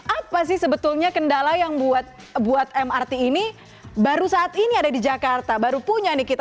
apa sih sebetulnya kendala yang buat mrt ini baru saat ini ada di jakarta baru punya nih kita